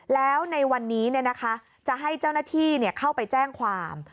แล้วในวันนี้จะให้เจ้าหน้าที่เข้าไปแจ้งความ